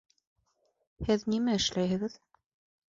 Һеҙ нимә эшләйһегеҙ?!